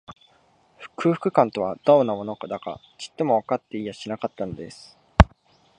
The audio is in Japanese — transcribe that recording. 空腹感とは、どんなものだか、ちっともわかっていやしなかったのです